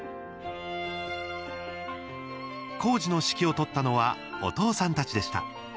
工事の指揮を執ったのはお父さんたちでした。